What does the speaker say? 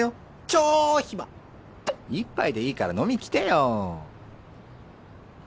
超暇‼一杯でいいから飲み来てよ！」。